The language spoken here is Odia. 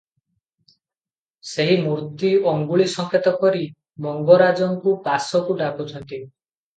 ସେହି ମୂର୍ତ୍ତି ଅଙ୍ଗୁଳି ସଙ୍କେତ କରି ମଙ୍ଗରାଜଙ୍କୁ ପାଶକୁ ଡାକୁଛନ୍ତି ।